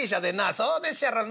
「そうでっしゃろな。